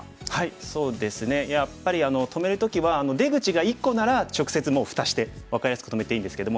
そうですねやっぱり止める時は出口が１個なら直接もう蓋して分かりやすく止めていいんですけども。